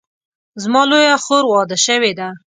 زما لویه خور واده شوې ده